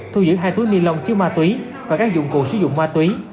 thu giữ hai túi ni lông chứa ma túy và các dụng cụ sử dụng ma túy